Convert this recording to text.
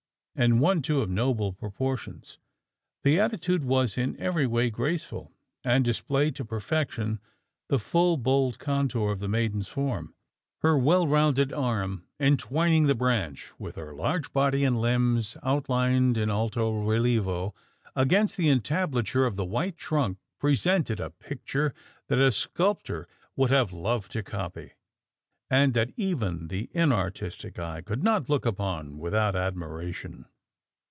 And one, too, of noble proportions. The attitude was in every way graceful; and displayed to perfection the full bold contour of the maiden's form. Her well rounded arm entwining the branch, with her large body and limbs outlined in alto relievo against the entablature of the white trunk, presented a picture that a sculptor would have loved to copy; and that even the inartistic eye could not look upon without admiration.